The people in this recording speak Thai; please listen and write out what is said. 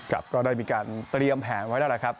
ครับเราได้มีการตริยมแผนไว้แล้วครับ